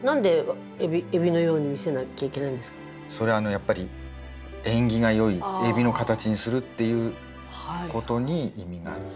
それはやっぱり縁起が良い海老の形にするっていうことに意味がある。